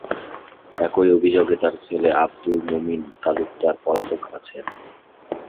একই অভিযোগে তার ছেলে আব্দুল মোমিন তালুকদার পলাতক আছেন।